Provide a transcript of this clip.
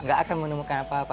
gak akan menemukan apa apa